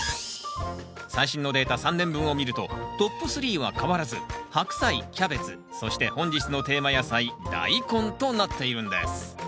最新のデータ３年分を見るとトップスリーは変わらずハクサイキャベツそして本日のテーマ野菜ダイコンとなっているんです